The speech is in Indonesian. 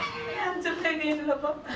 ya cukup ini lho pak